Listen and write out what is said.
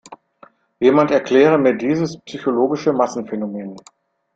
Jemand erkläre mir dieses psychologische Massenphänomen!